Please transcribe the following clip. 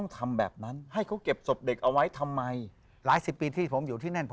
เขาเก็บศพเด็กเอาไว้ให้